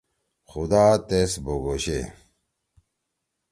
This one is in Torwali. خُدا تیس بُگوشے۔